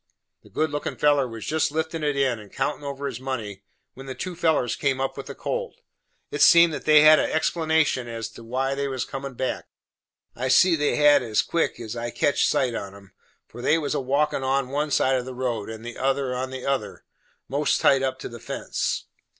The good lookin' feller was jest liftin' of it in, and countin' over his money, when the two fellers come up with the colt. It seemed that they had had a explanation as they was comin' back; I see they had as quick as I catched sight on 'em, for they was a walkin' one on one side of the road, and the other on the other, most tight up to the fence.